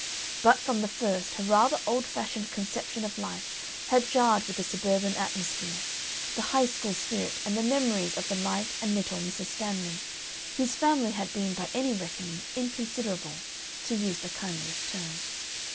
But from the first her rather old fashioned conception of life had jarred with the suburban atmosphere, the High School spirit and the memories of the light and little Mrs. Stanley, whose family had been by any reckoning inconsiderable to use the kindliest term.